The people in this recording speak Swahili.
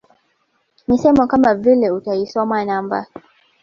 Misemo kama vile utaisoma namba